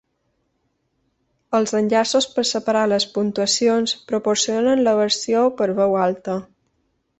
Els enllaços per separar les puntuacions proporcionen la versió per veu alta.